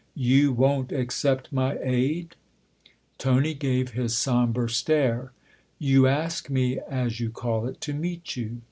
You won't accept my aid ?" Tony gave his sombre stare. " You ask me, as you call it, to meet you.